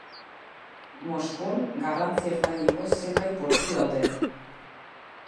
Moskun, garrantzi ertaineko zenbait portu daude.